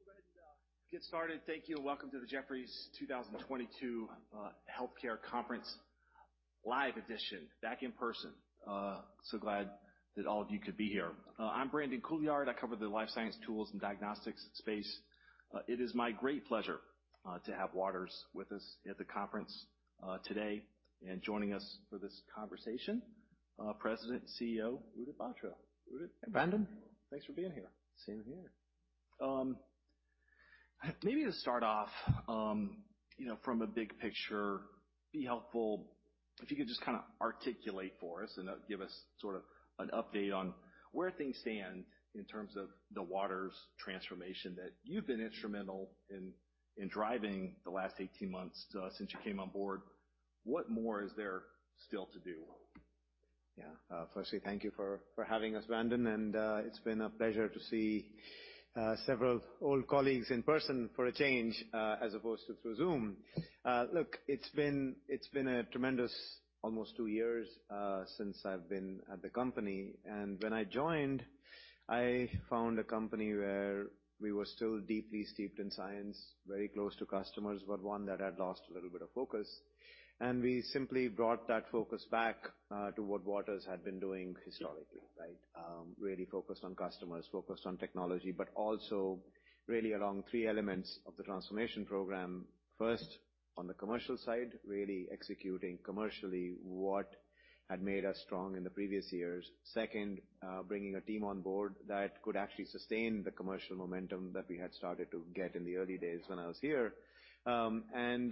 All right, folks, we'll go ahead and get started. Thank you, and welcome to the Jefferies 2022 Healthcare Conference, live edition, back in person. So glad that all of you could be here. I'm Brandon Couillard. I cover the life science tools and diagnostics space. It is my great pleasure to have Waters with us at the conference today, and joining us for this conversation, President and CEO, Udit Batra. Hey, Brandon. Thanks for being here. Same here. Maybe to start off, you know, from a big picture, be helpful if you could just kind of articulate for us and give us sort of an update on where things stand in terms of the Waters transformation that you've been instrumental in driving the last 18 months since you came on board. What more is there still to do? Yeah, firstly, thank you for having us, Brandon. And it's been a pleasure to see several old colleagues in person for a change, as opposed to through Zoom. Look, it's been a tremendous, almost two years since I've been at the company. And when I joined, I found a company where we were still deeply steeped in science, very close to customers, but one that had lost a little bit of focus. And we simply brought that focus back to what Waters had been doing historically, right? Really focused on customers, focused on technology, but also really along three elements of the transformation program. First, on the commercial side, really executing commercially what had made us strong in the previous years. Second, bringing a team on board that could actually sustain the commercial momentum that we had started to get in the early days when I was here. And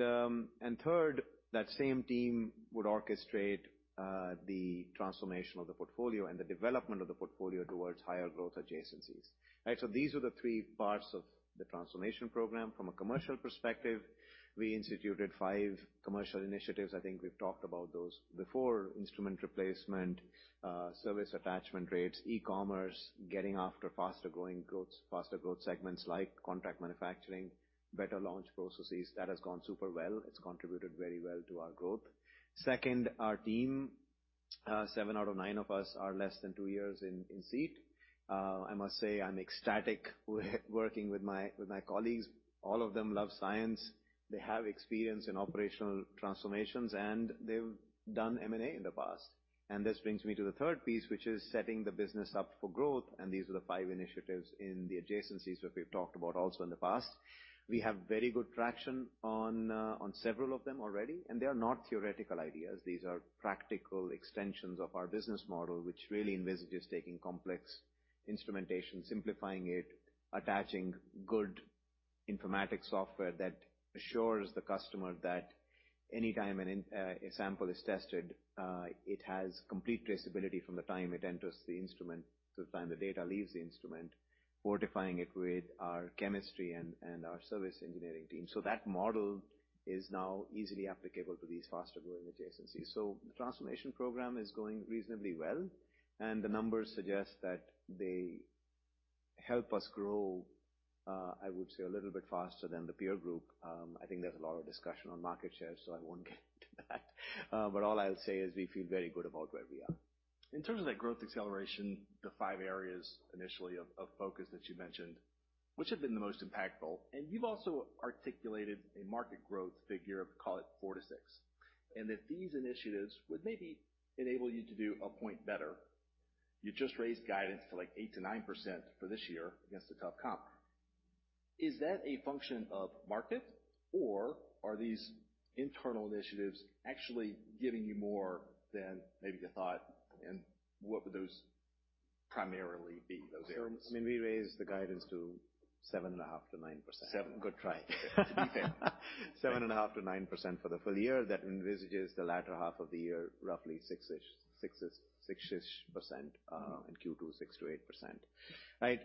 third, that same team would orchestrate the transformation of the portfolio and the development of the portfolio towards higher growth adjacencies. Right? So these are the three parts of the transformation program. From a commercial perspective, we instituted five commercial initiatives. I think we've talked about those before: instrument replacement, service attachment rates, e-commerce, getting after faster growth segments like contract manufacturing, better launch processes. That has gone super well. It's contributed very well to our growth. Second, our team, seven out of nine of us, are less than two years in seat. I must say, I'm ecstatic working with my colleagues. All of them love science. They have experience in operational transformations, and they've done M&A in the past. And this brings me to the third piece, which is setting the business up for growth. And these are the five initiatives in the adjacencies that we've talked about also in the past. We have very good traction on several of them already. And they are not theoretical ideas. These are practical extensions of our business model, which really envisages taking complex instrumentation, simplifying it, attaching good informatics software that assures the customer that anytime a sample is tested, it has complete traceability from the time it enters the instrument to the time the data leaves the instrument, fortifying it with our chemistry and our service engineering team. So that model is now easily applicable to these faster growing adjacencies. So the transformation program is going reasonably well. And the numbers suggest that they help us grow, I would say, a little bit faster than the peer group. I think there's a lot of discussion on market share, so I won't get into that. But all I'll say is we feel very good about where we are. In terms of that growth acceleration, the five areas initially of focus that you mentioned, which have been the most impactful? And you've also articulated a market growth figure of, call it, 4-6%, and that these initiatives would maybe enable you to do a point better. You just raised guidance to like 8%-9% for this year against the tough comp. Is that a function of market, or are these internal initiatives actually giving you more than maybe you thought? And what would those primarily be, those areas? I mean, we raised the guidance to 7.5%-9%. Seven. Good try. 7.5%-9% for the year. That envisages the latter half of the year, roughly 6-ish %, and Q2, 6%-8%. Right?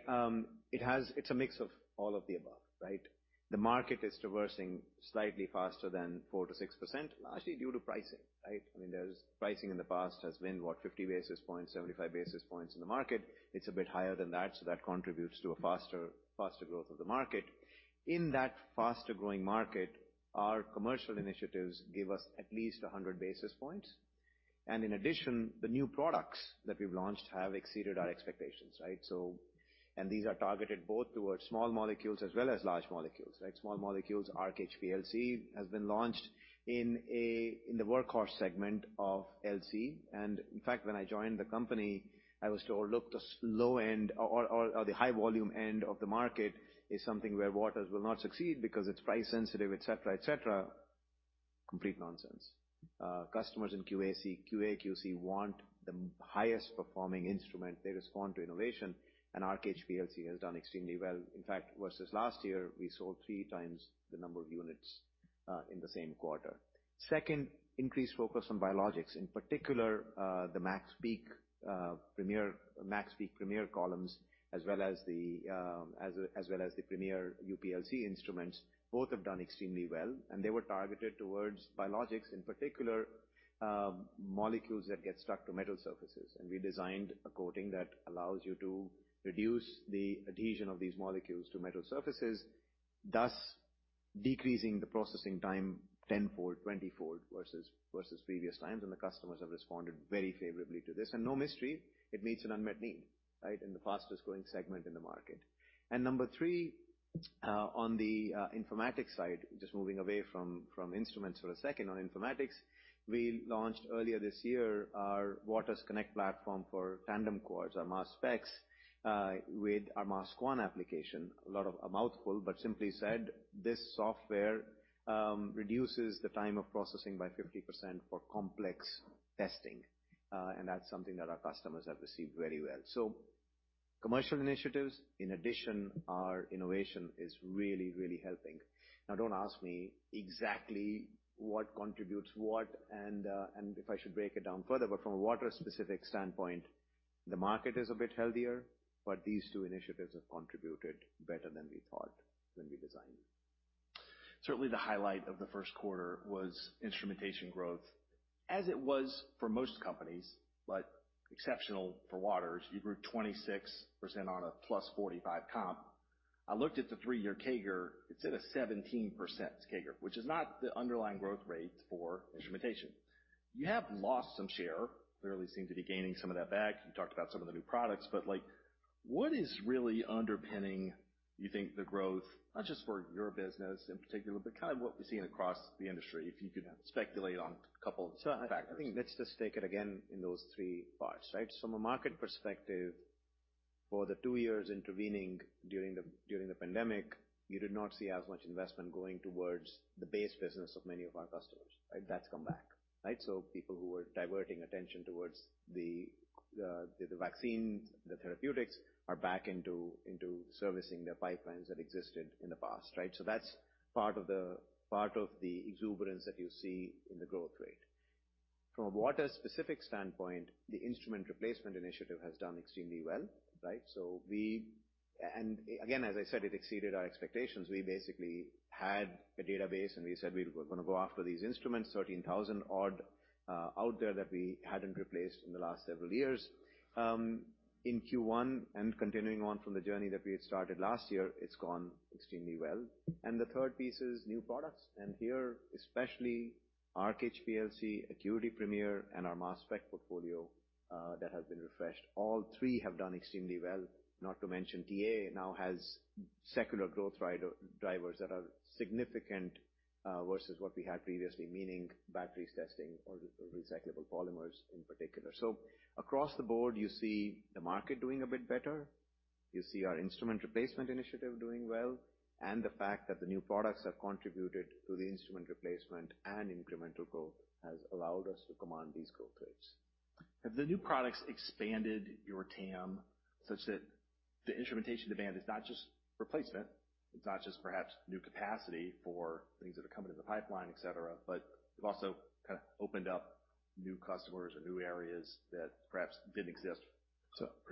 It's a mix of all of the above, right? The market is traversing slightly faster than 4%-6%, largely due to pricing, right? I mean, pricing in the past has been, what, 50 basis points, 75 basis points in the market. It's a bit higher than that, so that contributes to a faster growth of the market. In that faster growing market, our commercial initiatives give us at least 100 basis points. And in addition, the new products that we've launched have exceeded our expectations, right? And these are targeted both towards small molecules as well as large molecules, right? Small molecules, Arc HPLC has been launched in the workhorse segment of LC. And in fact, when I joined the company, I was told, look, the low end or the high volume end of the market is something where Waters will not succeed because it's price sensitive, et cetera, et cetera. Complete nonsense. Customers in QA/QC want the highest performing instrument. They respond to innovation. And Arc HPLC has done extremely well. In fact, versus last year, we sold three times the number of units in the same quarter. Second, increased focus on biologics. In particular, the MaxPeak Premier columns, as well as the Premier UPLC instruments, both have done extremely well. And they were targeted towards biologics, in particular, molecules that get stuck to metal surfaces. And we designed a coating that allows you to reduce the adhesion of these molecules to metal surfaces, thus decreasing the processing time tenfold, twentyfold versus previous times. And the customers have responded very favorably to this. And no mystery, it meets an unmet need, right, in the fastest growing segment in the market. And number three, on the informatics side, just moving away from instruments for a second, on informatics, we launched earlier this year our Waters Connect platform for tandem quads, our mass specs with our MS Quan application. A mouthful, but simply said, this software reduces the time of processing by 50% for complex testing. And that's something that our customers have received very well. So commercial initiatives, in addition, our innovation is really, really helping. Now, don't ask me exactly what contributes what and if I should break it down further. But from a Waters-specific standpoint, the market is a bit healthier, but these two initiatives have contributed better than we thought when we designed it. Certainly, the highlight of the first quarter was instrumentation growth. As it was for most companies, but exceptional for Waters. You grew 26% on a plus 45 comp. I looked at the three-year CAGR. It's at a 17% CAGR, which is not the underlying growth rate for instrumentation. You have lost some share. Clearly seem to be gaining some of that back. You talked about some of the new products. But what is really underpinning, you think, the growth, not just for your business in particular, but kind of what we're seeing across the industry, if you could speculate on a couple of factors? I think let's just take it again in those three parts, right? From a market perspective, for the two years intervening during the pandemic, you did not see as much investment going towards the base business of many of our customers, right? That's come back, right? So people who were diverting attention towards the vaccines, the therapeutics, are back into servicing their pipelines that existed in the past, right? So that's part of the exuberance that you see in the growth rate. From a Waters-specific standpoint, the instrument replacement initiative has done extremely well, right? So we, and again, as I said, it exceeded our expectations. We basically had a database, and we said we were going to go after these instruments, 13,000 odd out there that we hadn't replaced in the last several years. In Q1 and continuing on from the journey that we had started last year, it's gone extremely well, and the third piece is new products. Here, especially Arc HPLC, ACQUITY Premier, and our mass spec portfolio that has been refreshed, all three have done extremely well. Not to mention, TA now has secular growth drivers that are significant versus what we had previously, meaning batteries testing or recyclable polymers in particular. Across the board, you see the market doing a bit better. You see our instrument replacement initiative doing well, and the fact that the new products have contributed to the instrument replacement and incremental growth has allowed us to command these growth rates. Have the new products expanded your TAM such that the instrumentation demand is not just replacement? It's not just perhaps new capacity for things that are coming in the pipeline, et cetera, but you've also kind of opened up new customers or new areas that perhaps didn't exist.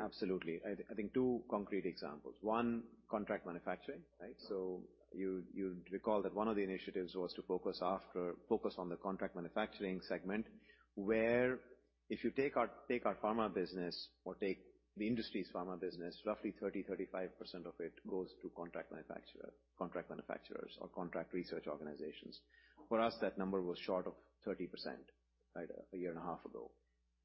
Absolutely. I think two concrete examples. One, contract manufacturing, right? So you recall that one of the initiatives was to focus on the contract manufacturing segment, where if you take our pharma business or take the industry's pharma business, roughly 30%-35% of it goes to contract manufacturers or contract research organizations. For us, that number was short of 30% a year and a half ago.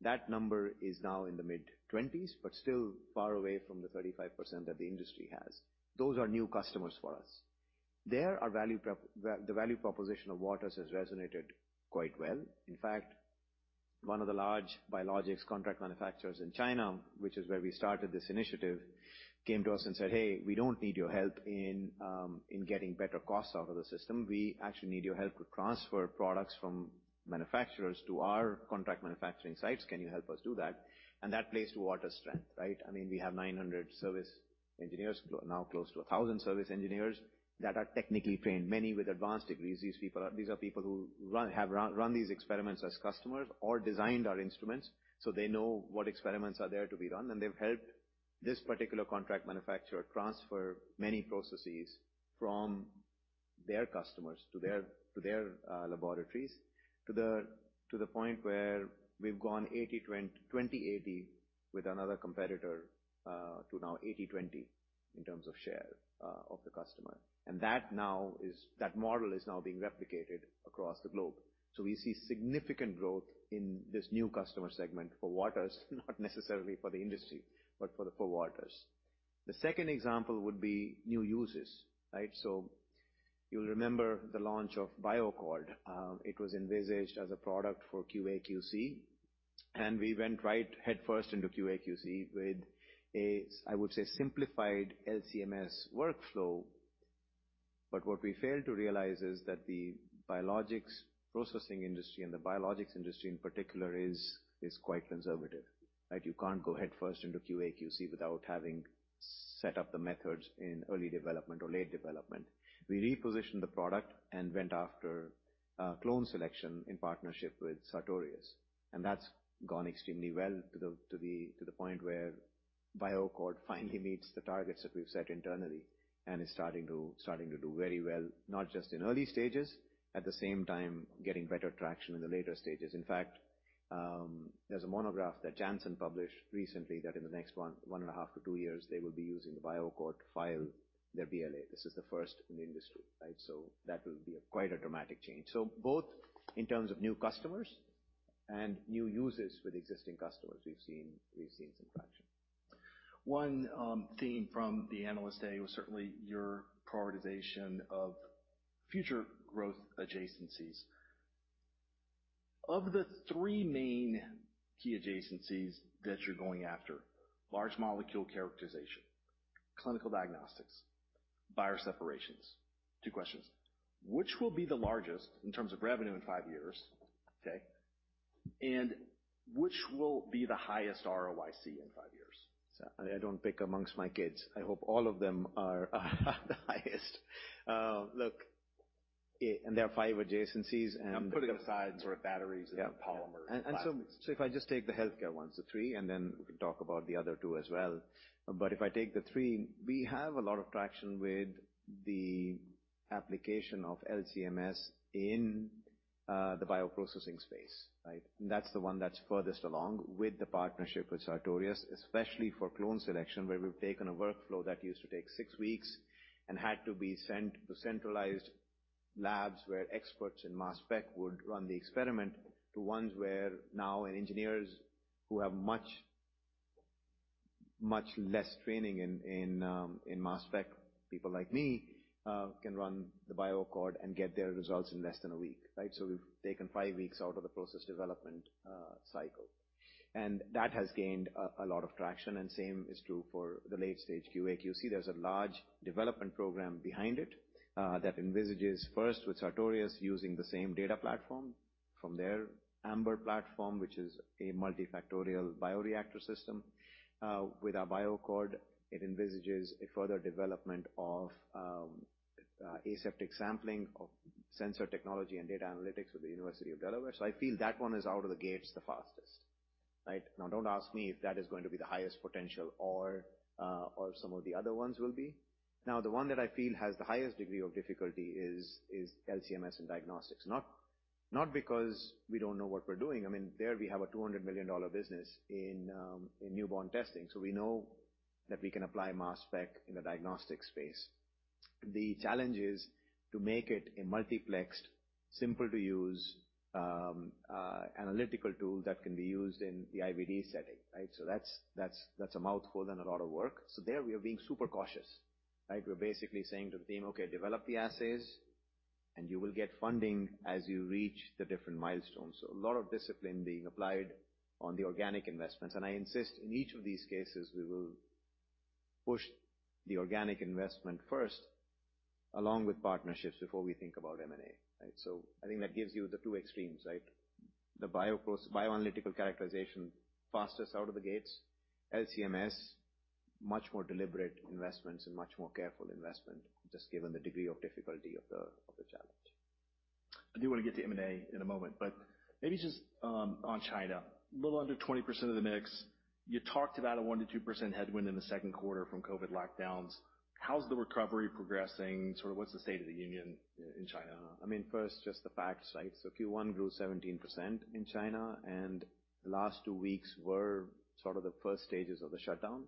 That number is now in the mid-20s, but still far away from the 35% that the industry has. Those are new customers for us. The value proposition of Waters has resonated quite well. In fact, one of the large biologics contract manufacturers in China, which is where we started this initiative, came to us and said, "Hey, we don't need your help in getting better costs out of the system. We actually need your help to transfer products from manufacturers to our contract manufacturing sites. Can you help us do that?" And that plays to Waters' strength, right? I mean, we have 900 service engineers, now close to 1,000 service engineers that are technically trained, many with advanced degrees. These are people who have run these experiments as customers or designed our instruments. So they know what experiments are there to be run. And they've helped this particular contract manufacturer transfer many processes from their customers to their laboratories to the point where we've gone 20/80 with another competitor to now 80/20 in terms of share of the customer. And that model is now being replicated across the globe. So we see significant growth in this new customer segment for Waters, not necessarily for the industry, but for Waters. The second example would be new uses, right? So you'll remember the launch of BioAccord. It was envisaged as a product for QA/QC. And we went right headfirst into QA/QC with a, I would say, simplified LC-MS workflow. But what we failed to realize is that the biologics processing industry and the biologics industry in particular is quite conservative, right? You can't go headfirst into QA/QC without having set up the methods in early development or late development. We repositioned the product and went after clone selection in partnership with Sartorius. And that's gone extremely well to the point where BioAccord finally meets the targets that we've set internally and is starting to do very well, not just in early stages, at the same time getting better traction in the later stages. In fact, there's a monograph that Janssen published recently that in the next one and a half to two years, they will be using the BioAccord to file their BLA. This is the first in the industry, right? So that will be quite a dramatic change. So both in terms of new customers and new users with existing customers, we've seen some traction. One theme from the analyst day was certainly your prioritization of future growth adjacencies. Of the three main key adjacencies that you're going after, large molecule characterization, clinical diagnostics, bioseparations, two questions. Which will be the largest in terms of revenue in five years, okay? And which will be the highest ROIC in five years? I don't pick amongst my kids. I hope all of them are the highest. Look, and there are five adjacencies and. I'm putting aside sort of batteries and polymers. So if I just take the healthcare ones, the three, and then we can talk about the other two as well. If I take the three, we have a lot of traction with the application of LC-MS in the bioprocessing space, right? That's the one that's furthest along with the partnership with Sartorius, especially for clone selection, where we've taken a workflow that used to take six weeks and had to be sent to centralized labs where experts in mass spec would run the experiment to ones where now engineers who have much less training in mass spec, people like me, can run the BioAccord and get their results in less than a week, right? We've taken five weeks out of the process development cycle. That has gained a lot of traction. The same is true for the late-stage QA/QC. There's a large development program behind it that envisages first with Sartorius using the same data platform from their Ambr platform, which is a multi-parallel bioreactor system. With our BioAccord, it envisages a further development of aseptic sampling, sensor technology, and data analytics with the University of Delaware. So I feel that one is out of the gates the fastest, right? Now, don't ask me if that is going to be the highest potential or some of the other ones will be. Now, the one that I feel has the highest degree of difficulty is LC-MS and diagnostics. Not because we don't know what we're doing. I mean, there we have a $200 million business in newborn testing. So we know that we can apply mass spec in the diagnostic space. The challenge is to make it a multiplexed, simple-to-use analytical tool that can be used in the IVD setting, right? So that's a mouthful and a lot of work. So there we are being super cautious, right? We're basically saying to the team, "Okay, develop the assays, and you will get funding as you reach the different milestones." So a lot of discipline being applied on the organic investments. And I insist in each of these cases, we will push the organic investment first along with partnerships before we think about M&A, right? So I think that gives you the two extremes, right? The bioanalytical characterization, fastest out of the gates, LC-MS, much more deliberate investments and much more careful investment, just given the degree of difficulty of the challenge. I do want to get to M&A in a moment, but maybe just on China, a little under 20% of the mix. You talked about a 1%-2% headwind in the second quarter from COVID lockdowns. How's the recovery progressing? Sort of what's the state of the union in China? I mean, first, just the facts, right? So Q1 grew 17% in China, and the last two weeks were sort of the first stages of the shutdown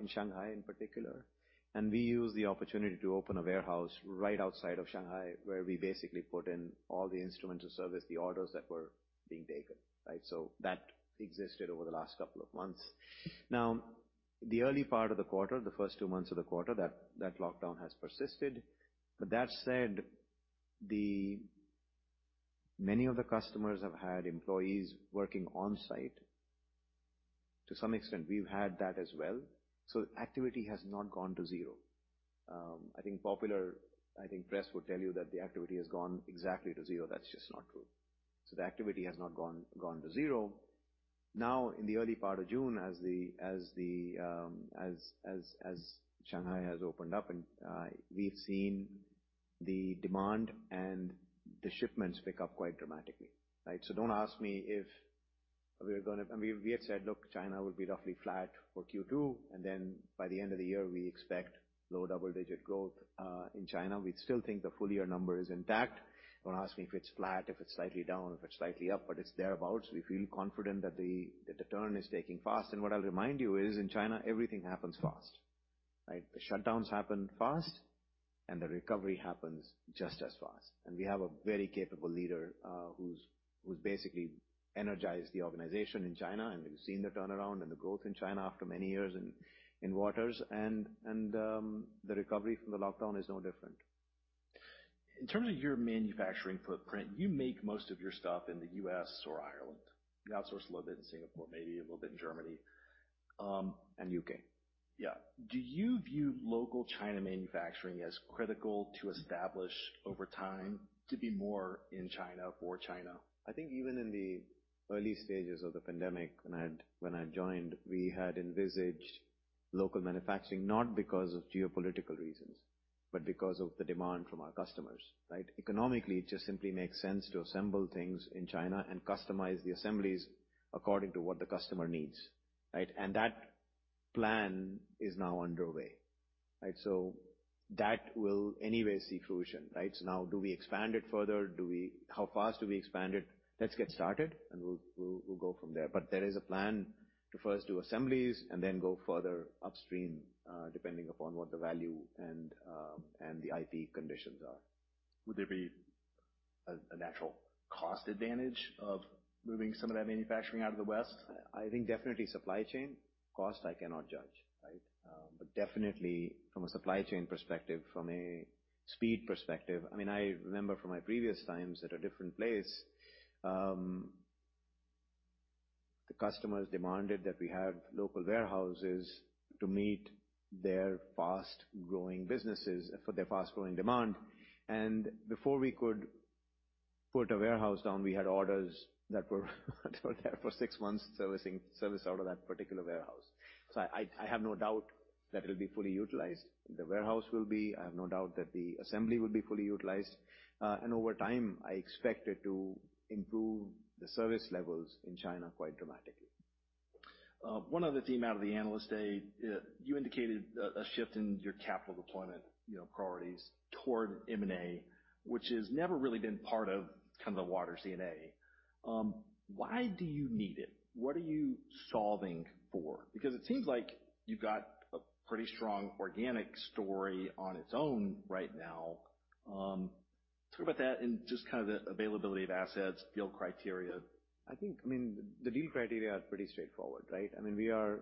in Shanghai in particular. And we used the opportunity to open a warehouse right outside of Shanghai where we basically put in all the instruments of service, the orders that were being taken, right? So that existed over the last couple of months. Now, the early part of the quarter, the first two months of the quarter, that lockdown has persisted. But that said, many of the customers have had employees working on-site. To some extent, we've had that as well. So activity has not gone to zero. I think popular press would tell you that the activity has gone exactly to zero. That's just not true. So the activity has not gone to zero. Now, in the early part of June, as Shanghai has opened up, we've seen the demand and the shipments pick up quite dramatically, right? So don't ask me if we're going to, and we had said, "Look, China will be roughly flat for Q2." And then by the end of the year, we expect low double-digit growth in China. We still think the full year number is intact. Don't ask me if it's flat, if it's slightly down, if it's slightly up, but it's thereabouts. We feel confident that the turn is taking fast. And what I'll remind you is in China, everything happens fast, right? The shutdowns happen fast, and the recovery happens just as fast. And we have a very capable leader who's basically energized the organization in China. And we've seen the turnaround and the growth in China after many years in Waters. The recovery from the lockdown is no different. In terms of your manufacturing footprint, you make most of your stuff in the U.S. or Ireland. You outsource a little bit in Singapore, maybe a little bit in Germany. And UK. Yeah. Do you view local China manufacturing as critical to establish over time to be more in China for China? I think even in the early stages of the pandemic, when I joined, we had envisaged local manufacturing not because of geopolitical reasons, but because of the demand from our customers, right? Economically, it just simply makes sense to assemble things in China and customize the assemblies according to what the customer needs, right? And that plan is now underway, right? So now do we expand it further? How fast do we expand it? Let's get started, and we'll go from there. But there is a plan to first do assemblies and then go further upstream depending upon what the value and the IP conditions are. Would there be a natural cost advantage of moving some of that manufacturing out of the West? I think definitely supply chain. Cost, I cannot judge, right? But definitely from a supply chain perspective, from a speed perspective, I mean, I remember from my previous times at a different place, the customers demanded that we have local warehouses to meet their fast-growing businesses, for their fast-growing demand. And before we could put a warehouse down, we had orders that were there for six months servicing services out of that particular warehouse. So I have no doubt that it'll be fully utilized. The warehouse will be. I have no doubt that the assembly will be fully utilized, and over time, I expect it to improve the service levels in China quite dramatically. One other theme out of the analyst day, you indicated a shift in your capital deployment priorities toward M&A, which has never really been part of kind of the Waters DNA. Why do you need it? What are you solving for? Because it seems like you've got a pretty strong organic story on its own right now. Talk about that and just kind of the availability of assets, deal criteria. I think, I mean, the deal criteria are pretty straightforward, right? I mean, we are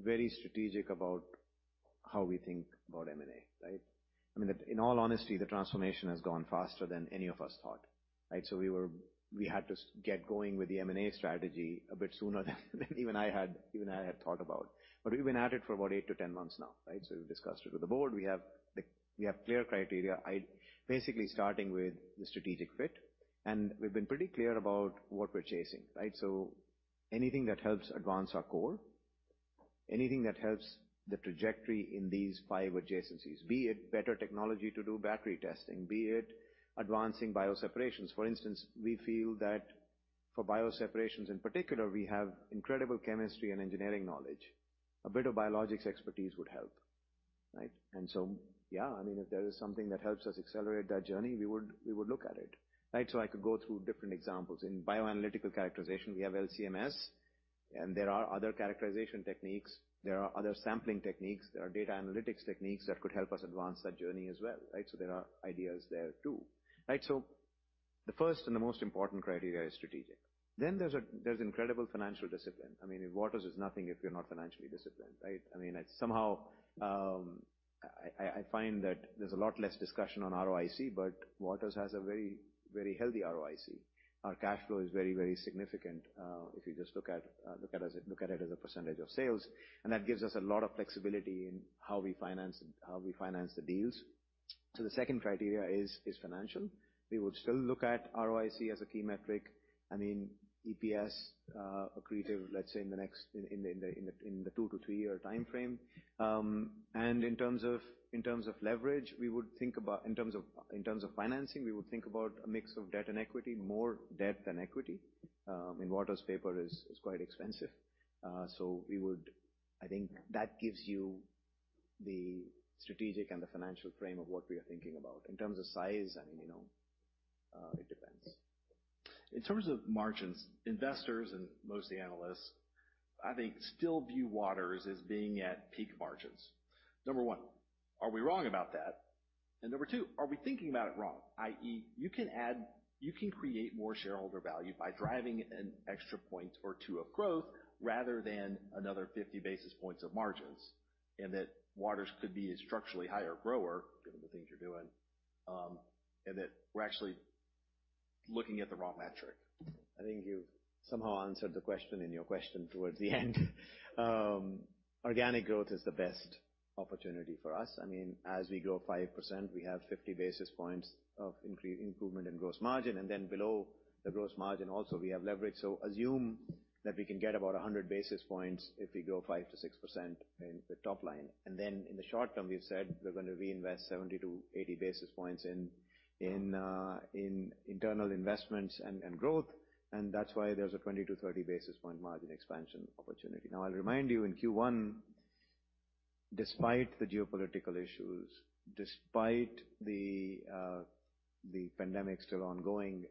very strategic about how we think about M&A, right? I mean, in all honesty, the transformation has gone faster than any of us thought, right? So we had to get going with the M&A strategy a bit sooner than even I had thought about. But we've been at it for about eight to 10 months now, right? So we've discussed it with the board. We have clear criteria, basically starting with the strategic fit. And we've been pretty clear about what we're chasing, right? So anything that helps advance our core, anything that helps the trajectory in these five adjacencies, be it better technology to do battery testing, be it advancing bioseparations. For instance, we feel that for bioseparations in particular, we have incredible chemistry and engineering knowledge. A bit of biologics expertise would help, right, and so yeah, I mean, if there is something that helps us accelerate that journey, we would look at it, right, so I could go through different examples. In bioanalytical characterization, we have LC-MS, and there are other characterization techniques. There are other sampling techniques. There are data analytics techniques that could help us advance that journey as well, right, so there are ideas there too, right, so the first and the most important criteria is strategic, then there's incredible financial discipline. I mean, Waters is nothing if you're not financially disciplined, right? I mean, somehow I find that there's a lot less discussion on ROIC, but Waters has a very, very healthy ROIC. Our cash flow is very, very significant if you just look at it as a percentage of sales. And that gives us a lot of flexibility in how we finance the deals. So the second criteria is financial. We would still look at ROIC as a key metric. I mean, EPS accretive, let's say, in the next two- to three-year timeframe. And in terms of leverage, we would think about, in terms of financing, we would think about a mix of debt and equity, more debt than equity. In Waters' paper, it's quite expensive. So we would, I think that gives you the strategic and the financial frame of what we are thinking about. In terms of size, I mean, it depends. In terms of margins, investors and mostly analysts, I think still view Waters as being at peak margins. Number one, are we wrong about that? And number two, are we thinking about it wrong? i.e., you can add, you can create more shareholder value by driving an extra point or two of growth rather than another 50 basis points of margins, and that Waters could be a structurally higher grower given the things you're doing, and that we're actually looking at the wrong metric. I think you've somehow answered the question in your question towards the end. Organic growth is the best opportunity for us. I mean, as we grow 5%, we have 50 basis points of improvement in gross margin. And then below the gross margin also, we have leverage. So assume that we can get about 100 basis points if we grow 5%-6% in the top line. And then in the short term, we've said we're going to reinvest 70-80 basis points in internal investments and growth. And that's why there's a 20-30 basis point margin expansion opportunity. Now, I'll remind you in Q1, despite the geopolitical issues, despite the pandemic still ongoing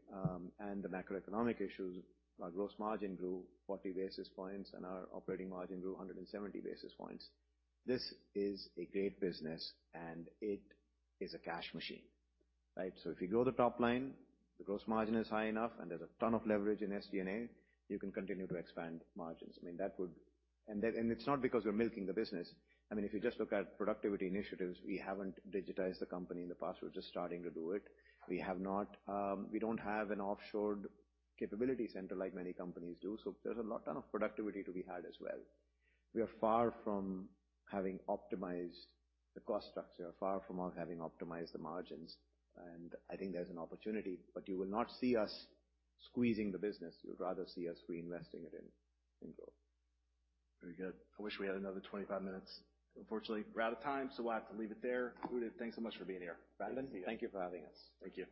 and the macroeconomic issues, our gross margin grew 40 basis points and our operating margin grew 170 basis points. This is a great business, and it is a cash machine, right? So if you grow the top line, the gross margin is high enough, and there's a ton of leverage in SG&A, you can continue to expand margins. I mean, that would, and it's not because we're milking the business. I mean, if you just look at productivity initiatives, we haven't digitized the company in the past. We're just starting to do it. We don't have an offshored capability center like many companies do. So there's a lot of productivity to be had as well. We are far from having optimized the cost structure. We are far from having optimized the margins. And I think there's an opportunity, but you will not see us squeezing the business. You'll rather see us reinvesting it in growth. Very good. I wish we had another 25 minutes. Unfortunately, we're out of time, so we'll have to leave it there. Udit, thanks so much for being here. Thank you for having us. Thank you.